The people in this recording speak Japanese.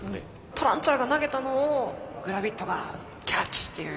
トランチャーが投げたのをグラビットがキャッチっていう。